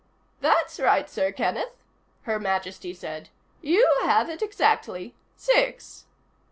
"That's right, Sir Kenneth," Her Majesty said. "You have it exactly. Six."